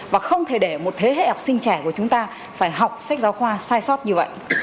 và không thể để một thế hệ học sinh trẻ của chúng ta phải học sách giáo khoa sai sót như vậy